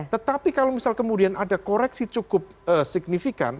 tetapi kalau misal kemudian ada koreksi cukup signifikan